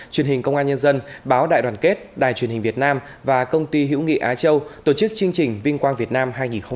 truyền hình công an nhân dân báo đại đoàn kết đài truyền hình việt nam và công ty hữu nghị á châu tổ chức chương trình vinh quang việt nam hai nghìn hai mươi bốn